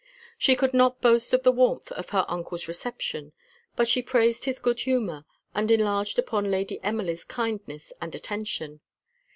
She could not boast of the warmth of her uncle's reception, but she praised his good humour, and enlarged upon Lady Emily's kindness and attention.